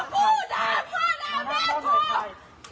คุณบอกหลายครั้งแล้ว